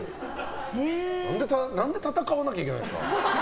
何で戦わなきゃいけないんですか。